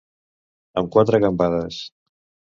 Amb quatre gambades.